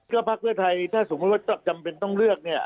ก็ภาคเวียทายถ้าสมมติว่าจะจำเป็นต้องเลือกเนี่ย